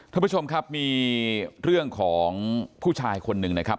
ท่านผู้ชมครับมีเรื่องของผู้ชายคนหนึ่งนะครับ